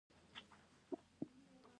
اوس په پرمختللو هېوادونو کې وضعیت بدل شوی دی.